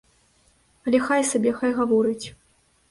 Але хай сабе, хай гаворыць.